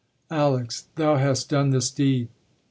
ALEX. Thou hast done this deed.